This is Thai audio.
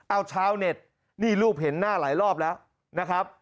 เอาชาวเน็ตนี่รูปเห็นหน้าหลายรอบแล้วนะครับ